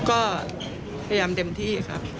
ก็พยายามเต็มที่ครับ